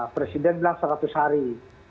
presiden bilang seratus hari